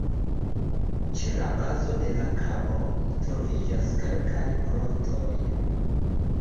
Ĉe la bazo de la kabo troviĝas kelkaj grotoj.